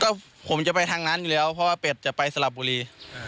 ก็ผมจะไปทางนั้นอยู่แล้วเพราะว่าเป็ดจะไปสลับบุรี